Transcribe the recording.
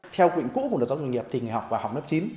theo quỹ cũ của giáo dục nghiệp thì người học vào học lớp chín